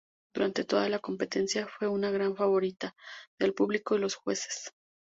Durante toda la competencia fue una gran favorita del público y los jueces.